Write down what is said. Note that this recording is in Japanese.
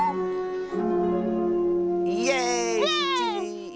イエーイ！